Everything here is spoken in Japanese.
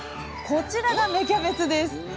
こちらが芽キャベツです。